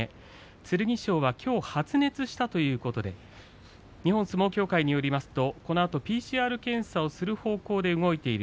剣翔はきょう発熱したということで日本相撲協会によりますとこのあとＰＣＲ検査をする方向で動いている。